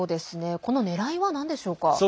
このねらいは、なんでしょうか？